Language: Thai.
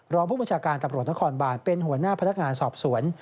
รองผู้บัญชาการตำรวจนครบานเป็นหัวหน้าพนักงานสอบสวน